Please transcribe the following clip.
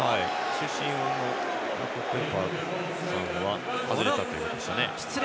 主審のリアクションは外れたということでしたね。